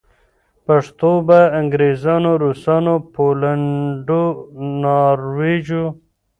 پښتو به انګریزانو، روسانو پولېنډو ناروېژو